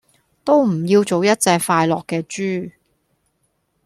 都唔要做一隻快樂既豬